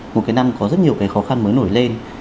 một cái năm có rất nhiều cái khó khăn mới nổi lên